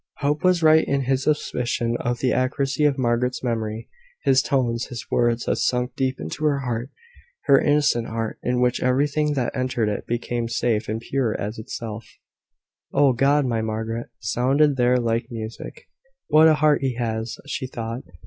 Hope was right in his suspicion of the accuracy of Margaret's memory. His tones, his words, had sunk deep into her heart her innocent heart in which everything that entered it became safe and pure as itself. "Oh God! my Margaret!" sounded there like music. "What a heart he has!" she thought.